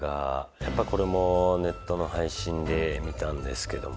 やっぱこれもネットの配信で見たんですけども。